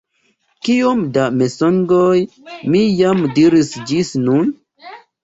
Kiom da mensogoj mi jam diris ĝis nun?